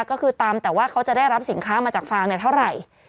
ก็คือตำแต่ว่าเขาจะได้รับสินค้ามาจากฟางเท่าไหร่